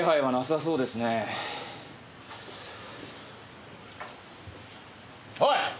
はい。